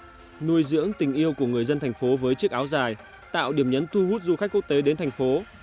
nuôi dưỡng tình yêu của người dân thành phố với chiếc áo dài tạo điểm nhấn thu hút du khách quốc tế đến thành phố